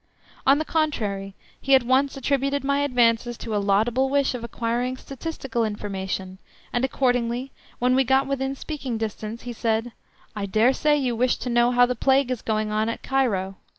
On the contrary, he at once attributed my advances to a laudable wish of acquiring statistical information, and accordingly, when we got within speaking distance, he said, "I dare say you wish to know how the plague is going on at Cairo?"